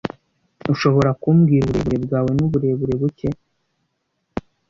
Ushobora kumbwira uburebure bwawe n'uburemere buke?